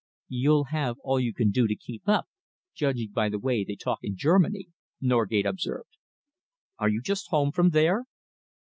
"You'll have all you can do to keep up, judging by the way they talk in Germany," Norgate observed. "Are you just home from there?"